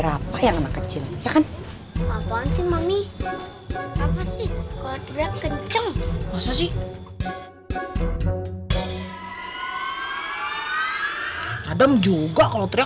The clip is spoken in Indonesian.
rapah yang kecil ya kan apaan sih mami apa sih kodrak kenceng masa sih adam juga kalau teriak